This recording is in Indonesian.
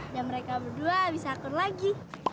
dan mereka berdua bisa akur lagi